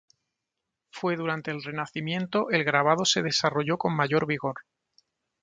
Fue durante el Renacimiento el grabado se desarrolló con mayor vigor.